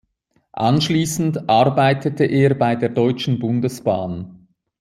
Anschließend arbeitete er bei der Deutschen Bundesbahn.